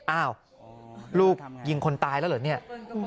อ้าวลูกยิงคนตายแล้วเหรอ